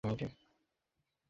জবাব দিতে না চাইলে জবাব দিও না।